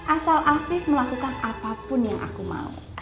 asal afif melakukan apapun yang aku mau